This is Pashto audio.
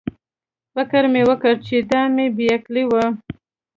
فکر مې وکړ چې دا مې بې عقلي وه.